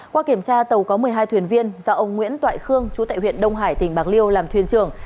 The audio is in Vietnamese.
qua kiểm tra tàu có một mươi hai thuyền viên do ông nguyễn toại khương chú tại huyện đông hải tỉnh bạc liêu làm thuyền trưởng